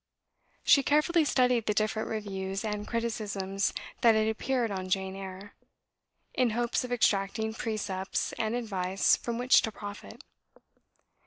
She carefully studied the different reviews and criticisms that had appeared on "Jane Eyre," in hopes of extracting precepts and advice from which to profit.